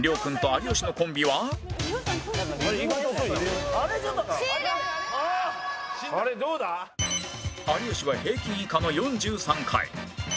有吉は平均以下の４３回